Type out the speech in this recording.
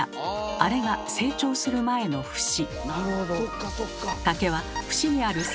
あれが成長する前の節。